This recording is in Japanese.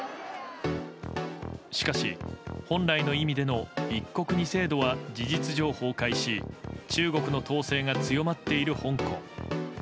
しかし、本来の意味での一国二制度は事実上崩壊し中国の統制が強まっている香港。